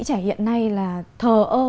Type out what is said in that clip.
trẻ hiện nay là thờ ơ